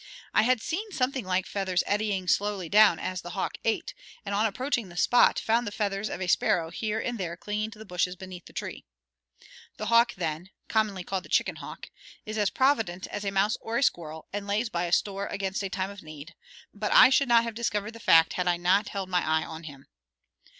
I had seen something like feathers eddying slowly down as the hawk ate, and on approaching the spot found the feathers of a sparrow here and there clinging to the bushes beneath the tree. The hawk then commonly called the chicken hawk is as provident as a mouse or a squirrel, and lays by a store against a time of need, but I should not have discovered the fact had I not held my eye on him.